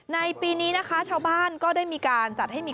ในปีนี้นะคะชาวบ้านก็ได้มีการจัดให้มี